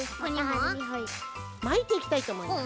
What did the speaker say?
まいていきたいとおもいます。